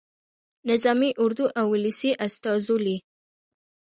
نظامي اردو او ولسي استازولي.